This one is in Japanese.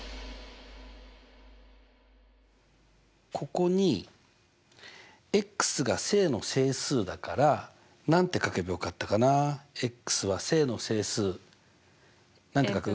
ここにが正の整数だから何て書けばよかったかな？は正の整数何て書く？